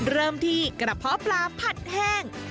เริ่มที่กระเพาะปลาผัดแห้ง